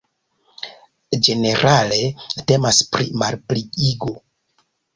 Ĝenerale temas pri malpliigo.